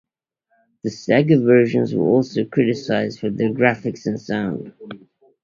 The Sega versions were also criticized for their graphics and sound.